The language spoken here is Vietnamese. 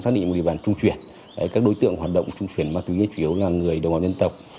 điện bản trung chuyển các đối tượng hoạt động trung chuyển ma túy chủ yếu là người đồng bào dân tộc